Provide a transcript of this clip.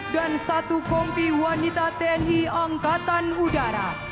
satu kompi wanita tni angkatan udara